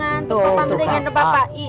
memang dengan kealiannya kursi sesuai dengan diri